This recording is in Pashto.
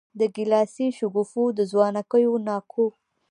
د ګیلاسي شګوفو د ځوانکیو ناکو